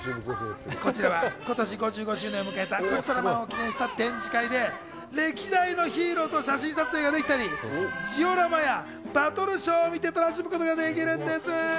こちらは今年５５周年を迎えた『ウルトラマン』を記念した展示会で歴代のヒーローと写真撮影ができたり、ジオラマやバトルショーを見て楽しむことができるんです。